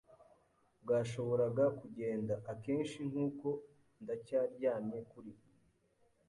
bwashoboraga kugenda. Akenshi, nkuko ndacyaryamye kuri